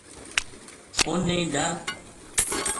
اُنھ نے ڈر